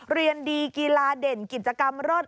เรียนดีกีฬาเด่นกิจกรรมรอด